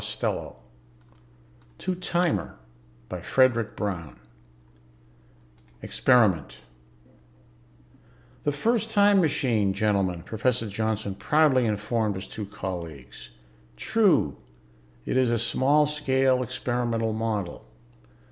_ Illustrated by STONE Experiment "The first time machine, gentlemen," Professor Johnson proudly informed his two colleagues. "True, it is a small scale experimental model.